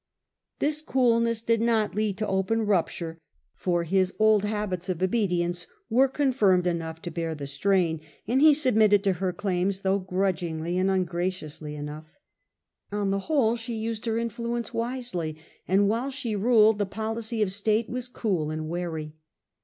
This coolness did not lead to open rupture, for his old habits of obedience were confirmed enough to bear the strain, and he submitted to her claims, though She used hei grudgingly and ungraciously enough. wUei^on the wliole she uscd her influence wisely, whole, and while she ruled, the policy of state was cool and wary.